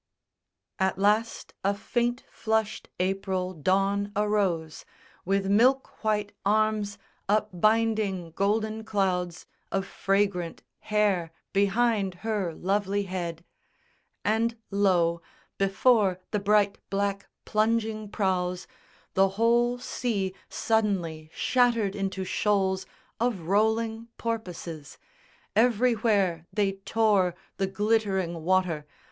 _ At last a faint flushed April Dawn arose With milk white arms up binding golden clouds Of fragrant hair behind her lovely head; And lo, before the bright black plunging prows The whole sea suddenly shattered into shoals Of rolling porpoises. Everywhere they tore The glittering water.